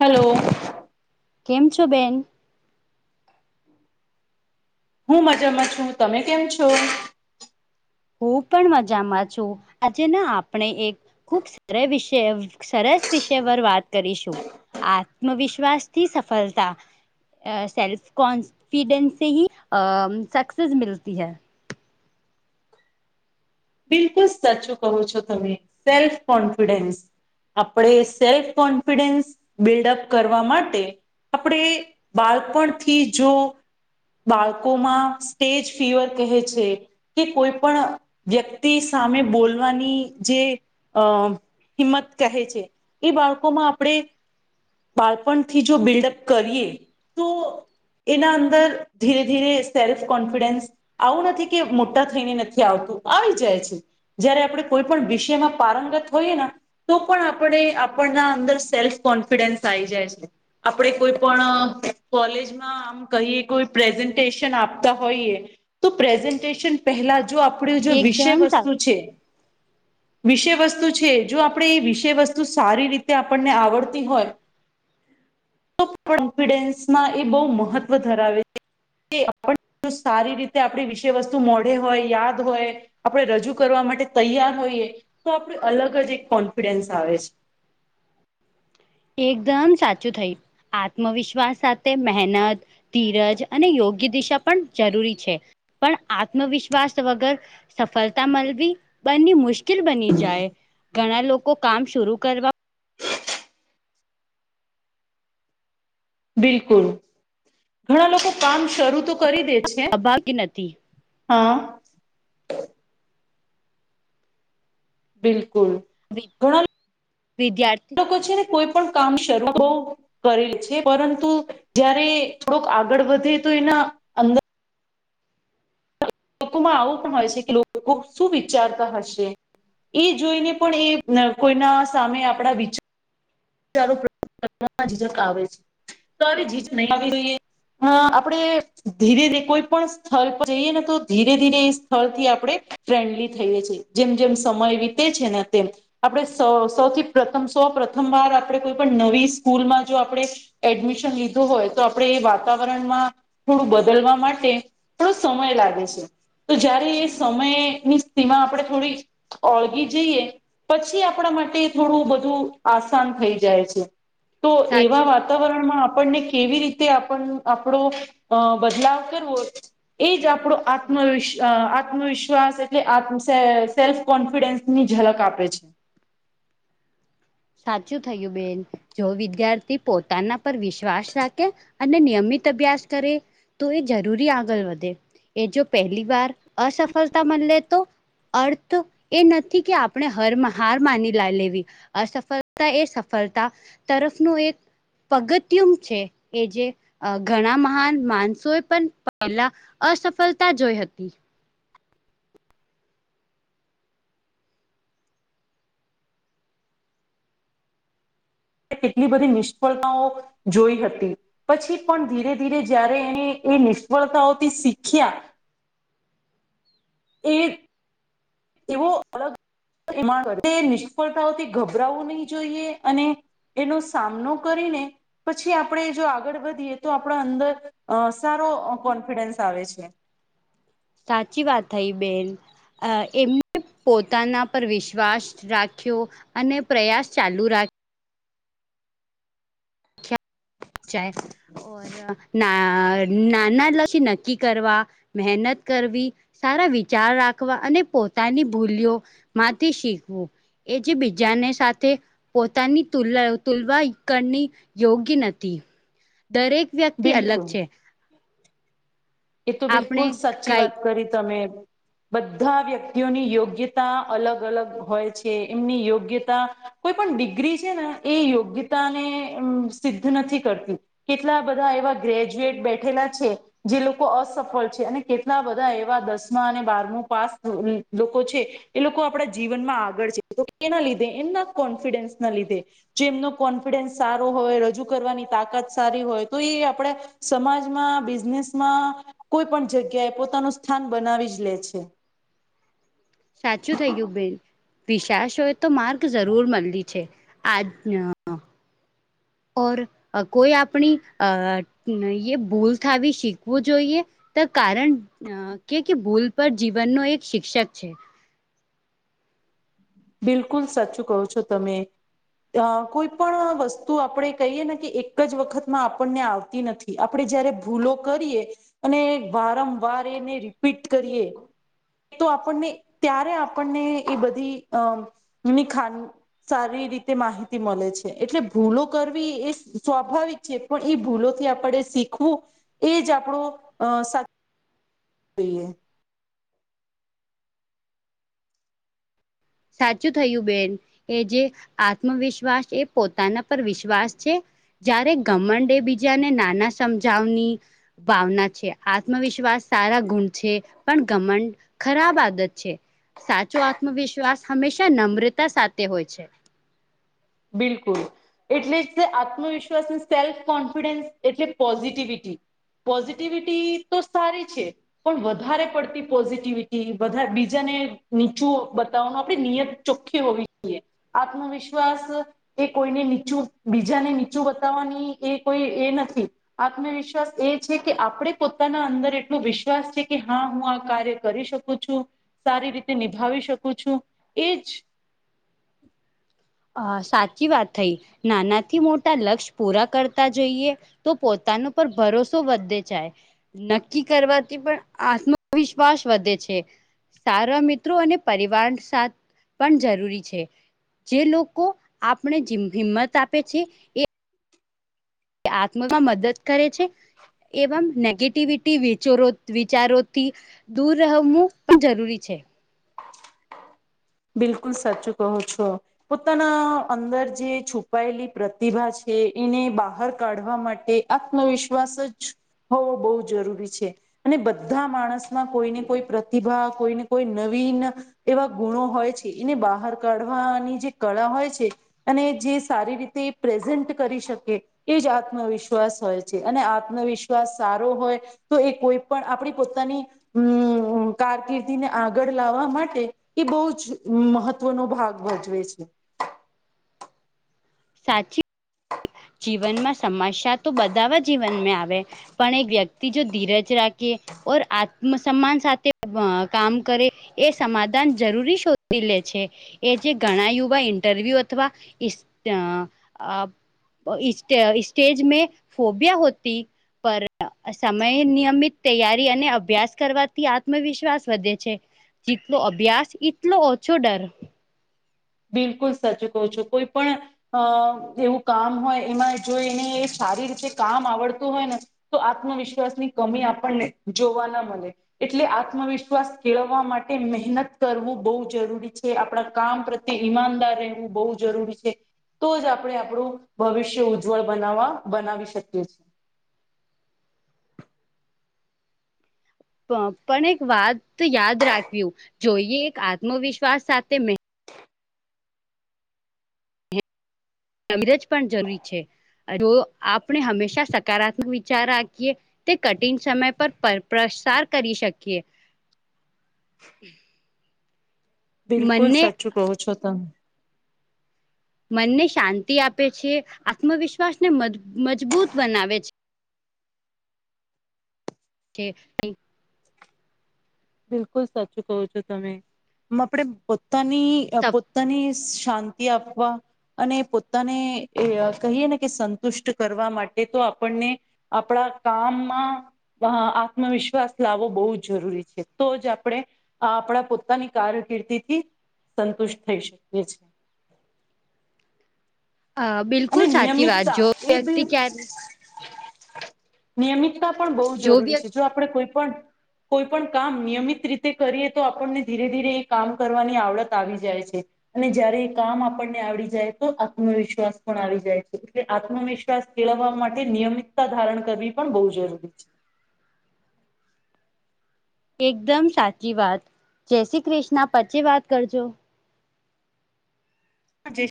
Hello. કેમ છો? બેન. હું મજામાં છું, તમે કેમ છો? હું પણ મજામાં છું, આજે ના આપણે એક ખુબ સરે વિષય સરસ વિષય પર વાત કરીશું. આત્મવિશ્વાસ થી સફલતા. એ સેલ્ફ કોન્ફિડન્સસે હી સક્સેસ મિલતી હૈ. બિલકુલ સાચું કહો છો તમે સેલ્ફ કોન્ફિડન્સ. આપડે સેલ્ફ કોન્ફિડન્સ બિલ્ડઅપ કરવા માટે આપડે બાલપણથી જો બાલકોમાં સ્ટેજ ફીવર કહે છે કે કોઈ પણ વ્યક્તિ સામે બોલવાની જે અ હિમ્મત કહે છે એ બાલકો માં આપડે બાલપણથી જો બિલ્ડઅપ કરીએ તો એના અંદર ધીરે ધીરે સેલ્ફ કોન્ફિડન્સ આવું નથી કે મોટા થઈને નથી આવતું આવી જાય છે. જયારે આપડે કોઈ પણ વિષયમાં પારંગત હોઈએન તો પણ આપડે આપણના અંદર સેલ્ફ કોન્ફિડન્સ આઈ જાય છે. આપડે કોઈ પણ કોલેજમાં આમ કહીએ કોઈ પ્રેઝન્ટેશન આપતા હોઈએ તો પ્રેઝન્ટેશન પહેલા જો આપડે જો વિષય એકદમ સા વસ્તુ છે વિષય વસ્તુ છે જો આપડે એ વિષય વસ્તુ સારી રીતે આપણને આવડતી હોય [unintelligible] કોન્ફિડન્સમાં એ બહુ મહત્વ ધરાવે એ [unintelligible] સારી રીતે આપડે વિષય વસ્તુ મોઢે હોય યાદ તુ હોય આપડે રજૂ કરવા માટે તૈયાર હોઈએ તો આપડે અલગ જ એક કોન્ફિડન્સ આવે છે. એકદમ સાચું થયું આત્મવિશ્વાસ સાથે મહેનત ધીરજ અને યોગ્ય દિશા પન જરૂરી છે. પણ આત્મવિશ્વાસ વગર સફલતા મલવી બંની મુશ્ક શ્કિલ બની જાય ઘણા લોકો કામ શુરુ કરવા બિલકુલ ઘણા લોકો કામ શરૂ તો કરી દે છે અભા ક ન હતી. હા બિલકુલ ઘણા વિદ્યાર્થી લોકો છે ને. કોઈ પણ કામ શરૂ હો કરેલ છે પરંતુ જયારે થોડોક આગળ વધે તો એના અંદર લોકોમાં આવું પણ હોય છે કે લોકો શું વિચારતા હશે? એ જોઈને પણ એ કોઈના સામે આપણા વિચાર જક આવે છે તો આવી જીજ નહી આવી જોઈએ હ આપણેે ધીરે ધીરે કોઈ પણ સ્થળ પર જઈએ ને તો ધીરે ધીરે એ સ્થળથી આપણે ફ્રેન્ડલી થઈએ છે જેમ જેમ સમય વિતે છે ને તેમ આપડણે સૌથી પ્રથમ સૌ પ્રથમ વાર આપણે કોઈ પણ નવી સ્કૂલમાં જો આપણે એડમિશન લીધું હોય તો આપણે એ વાતાવરણમાં થોડું બદલવા માટે થોડો સમય લાગે છે તો જયારે એ સમયની સ્થિમાં આપણે થોડી ઓળગી જઈએ પછી આપણા માટે થોડું બધું આસાન થઈ જાય. જાય છે તો એવા વાત સાચી વાતાવરણમાં આપણને કેવી રીતે આપણો બદલાવ કરવો? એજ આપણો આત્મવિશ આત્મવિશ્વાસ એટલે આ સેલ્ફ કોન્ફિડન્સ ની ઝલક આપે છે. સાચું થયું બેન જો વિદ્યાર્થી પોતાના પર વિશ્વાસ રાખે અને નિયમિત અભ્યાસ કરે તો એ જરૂરી આગળ વધે. એ જો પહેલી વાર અસફળતા મળલે તો? અર્થ એ નથી કે આપણે હર હાર માની લ લેવી. અસફળતા એ સફળતા તરફનું એક પગત્યુમ છે એ જ અ ઘણા મહાન માણસોએ પણ પહેલા અસફળતા જોઈ હતી. કેટલી બધી નિષ્ફળતાઓ જોઈ હતી. પછી પણ ધીરે ધીરે જ્યારે એણે એ નિષ્ફળતાઓથી શીખ્યા એક એવો અલગ એ નિષ્ફળતાઓથી ગભરાવવું નહિ જોઈએ અને એનો સામનો કરીને પછી આપણે જો આગળ વધીએ તો આપણા અંદર અ સારો કોન્ફિડન્સ આવે છે. સાચી વાત થઈ બેન અ એમને પોતાના પર વિશ્વાસ રાખ્યો અને પ્રયાસ ચાલુ રા ચાય ના નાના લક્ષી નક્કી કરવા મહેનત કરવી સારા વિચાર રાખવા અને પોતાની ભૂલીઓ માંથી શીખવું. એ જે બીજાને સાથે પોતાની તુલ તુલવા કરની યોગ્ય નથ. હમ, દરેક વ્યક્તિ અલગ બિલકુલ છે. એ તો આપણે બિલકુલ સાચી કઈ વાત કરી તમે બધા વ્યક્તિઓની યોગ્યતા અલગ અલગ હોય છે એમની યોગ્યતા કોઈ પણ ડિગ્રી છે ને એ યોગ્યતા ને સિદ્ધ નથી કરતી. કેટલા બધા એવા ગ્રેજ્યુએટ બેઠેલા છે જે લોક લોકો અસફળ છે અને કેટલા બધા એવા દસમા અને બારમું પાસ લોકો છે એ લોકો આપણા જીવનમાં આગળ છે, તો એના લીધે એમના કોન્ફિડન્સ ના લીધે જે એમનો કોન્ફિડન્સ સારો હોય રજૂ કરવાની તાકાત સારી હોય તો એ આપણેે સમાજમાં બિઝનેસમાં કોઈ પણ જગ્યા એ પોતાનું સ્થાન બનાવી જ લે છે. સાચું થઇ ગયું બેન. વિશાસ હોય તો માર્ગ જરૂર મળી છે આજ ઓર કોઈ આપણી અ એ ભૂલ થાવી શીખવું જોઈએ? તો કારણ કે ભૂલ પર જીવનનો એક શિક્ષક છે. બિલકુલ સાચું કહો છો તમે. અ કોઈ પણ વસ્તુ આપણે કહીએ ને કે એક જ વખતમાં આપણને આવતી નથી. આપણે જયારે ભૂલો કરીએ અને વારંવાર એને રિપીટ કરીએ એ તો આપણને ત્યારે આપણને એ બધી અની ખાન સારી રીતે માહિતી મળે છે એટલે ભૂલો કરવી એ સ્વાભાવિક પણ એ ભૂલોથી આપણે શીખવું એજ આપણો સા થઈએ સાચું થયું બેન એ જે આત્મવિશ્વાસ એ પોતાના પર વિશ્વાસ છે. જ્યારે ગમંડે બીજાને નાના સમજાવની ભાવના છે આત્મવિશ્વાસ સારા ગુણ છે પણ ધમંડ ખરાબ આદત છે સાચો આત્મવિશ્વાસ હંમેશા નમ્રતા સાથે હોય છે. બિલકુલ. એટલે જ આત્મવિશ્વાસ સેલ્ફ કોન્ફિડન્સ એટલે પોઝિટિવિટી. પોઝિટિવિટી તો સારી છે પણ વધારે પડતી પોઝિટિવિટી વધારે બીજાને નીચું બતાવવાનું આપણે નિયત ચોખ્ખી હોવી જોઈએ આત્મવિશ્વાસ એ કોઈને નીચું બીજાને નીચું બતાવવાની એ કોઈ એ નથી. આત્મવિશ્વાસ એ છે કે આપણે પોતાના અંદર એટલો વિશ્વાસ છે કે હા હું આ કાર્ય કરી શકું છું, સારી રીતે નિભાવી શકું છું એજ અ સાચી વાત થઈ નાનાથી મોટા લક્ષ્ય પૂરા કરતા જઈ તો પોતાનો પર ભરોસો વધે જાય. નક્કી કરવાથી પણ આત્મવિશ્વાસ વધે છે. સારા મિત્રો અને પરિવાર સાથ પણ જરૂરી છે. જે લોકો આપણે હિંમત આપે છે એ આત્મમાં મદદ કરે છે. એવમ નેગેટિવિટી વિચરો વિચારોથી દૂર રહેવું પણ જરૂરી છે. બિલકુલ સાચુ કહો છો. પોતાના અંદર જે છુપાયેલી પ્રતિભા છે એને બહાર કાઢવા માટે આત્મવિશ્વાસ જ હોવો બહુ જરૂરી છે. અને બધા માણસમાં કોઈને કોઈ પ્રતિભા કોઈ ને કોઈ નવીન એવા ગુણો હોય છે, એને બહાર કાઢવાની જે કળા હોય છે અને જે સારી રીતે પ્રેઝન્ટ કરી શકે એ જ આત્મવિશ્વાસ હોય છે અને આત્મવિશ્વાસ સારો હોય તો એ કોઈ પણ આપણી પોતાની હમ કારકિર્દીને આગળ લાવવા માટે એ બહુ મહત્વનો ભાગ ભજવે છે. સાચી જીવનમાં સમસ્યા તો બધાવા જીવનમાં આવે પણ એક વ્યક્તિ જો ધીરજ રાખી ઓર આત્મસન્માન સાથે કામ કરે એ સમાધાન જરૂરી શોધી લે છે. એ જે ઘણા યુવા ઇન્ટરવ્યૂ અથવા ઇસ સ્ટે સ્ટેજ મે ફોબિયા હોતી પર સમય નિયમિત તૈયારી અને અભ્યાસ કરવાથી આત્મવિશ્વાસ વધે છે. જીતનો અભ્યાસ ઈટનો ઓછો ડર. બિલકુલ સાચું કહો છો કોઈ પણ અ એવું કામ હોય એમાં જો એને સારી રીતે કામ આવડતું હોય ને તો આત્મવિશ્વાસ ની કમી આપણને જોવા ના મલે. એટલે આત્મવિશ્વાસ કેળવવા માટે મહેનત કરવું બહુ જરૂરી છે આપણા કામ પ્ર પ્રત્યે ઈમાનદાર રહેવું બહુ જરૂરી છે. તો જ આપણે આપણું ભવિષ્ય ઉજ્જવળ બનાવવા બનાવી શકીએ છીએ. પણ એક વાત યાદ રાખ્યું જોઈએ એક આત્મવિશ્વાસ સાથે મહે અમરજ પણ જરૂરી છે તો આપણે હંમેશા સકારાત્મક વિચાર રાખીએ તે કઠિન સમય પર પર પ્રસાર કરી શકીએ. [inaudible] બિલકુલ મનને સાચું કહો છો તમે. મનને શાંતિ આપે છે આત્મવિશ્વાસને મજ મજબૂત બનાવે છે. કે કઈ બિલકુલ સાચું કહો છો તમે આપડે પોતાની પોતાની શાંતિ આપવા અને પોતાને એ કહીએ ને કે સંતુષ્ટ કરવા માટે તો આપણને આપણા કામમાં આત્મવિશ્વાસ લાવવો બહુ જ જરૂરી છે. તો જ આપણે આપણા પોતાની કારકિર્દી થી સંતુષ્ટ થઈ શકીએ છીએ. આ બિલ અને નિયમિતતા એ બી નિયમિતતા પણ બહુ જરૂરી છે જો આપણેે કોઈ પણ કોઈ પણ કામ નિયમિત રીતે કરીએ તો આપણને ધીરે ધીરે એ કામ કરવાની આવડત આવી જાય છે. અને જયારે એ કામ આપણને આવડી જાય તો આત્મવિશ્વાસ પણ આવી જાય છે એટલે આત્મવિશ્વાસ કેળવવા માટે નિયમિતતા ધારણ કરવી પણ બહુ જરૂરી છે. એકદમ સાચી વાત જય શ્રી ક્રિષ્ના પ્ચે વાત કરજો. હા જય